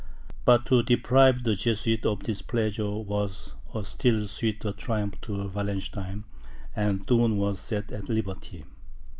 But to deprive the Jesuits of this pleasure, was a still sweeter triumph to Wallenstein, and Thurn was set at liberty.